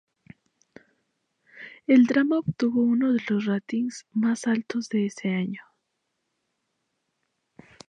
El drama obtuvo uno de los ratings más altos de es año.